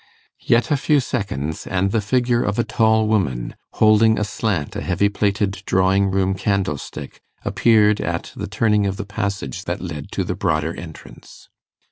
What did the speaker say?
Yet a few seconds, and the figure of a tall woman, holding aslant a heavy plated drawing room candlestick, appeared at the turning of the passage that led to the broader entrance.